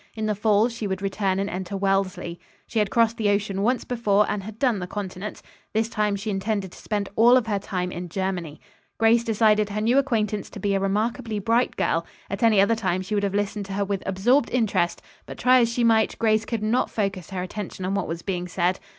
In the fall she would return and enter Wellesley. She had crossed the ocean once before, and had done the continent. This time she intended to spend all of her time in Germany. Grace decided her new acquaintance to be a remarkably bright girl. At any other time she would have listened to her with absorbed interest, but try as she might, Grace could not focus her attention on what was being said.